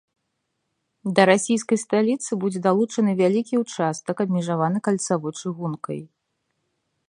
Да расійскай сталіцы будзе далучаны вялікі ўчастак, абмежаваны кальцавой чыгункай.